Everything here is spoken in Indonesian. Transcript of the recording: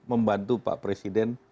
membantu pak presiden